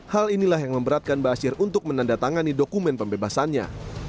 hal inilah yang memberatkan bashir untuk menandatangani dokumen pembebasannya